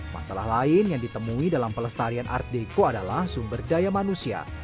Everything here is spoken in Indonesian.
masalah lain yang ditemui dalam pelestarian art deco adalah sumber daya manusia